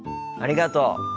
ありがとう。